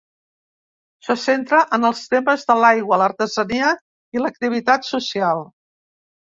Se centra en els temes de l'aigua, l'artesania i l'activitat social.